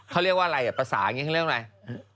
เขาเรียกว่าอะไรอ่ะภาษาอย่างนี้เขาเรียกอะไร